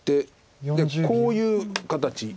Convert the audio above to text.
でこういう形。